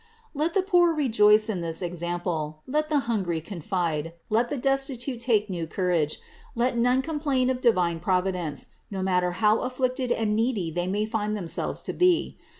635. Let the poor rejoice in this example, let the hungry confide, let the destitute take new courage, let none complain of divine Providence, no matter how afflicted and needy they may find themselves to be.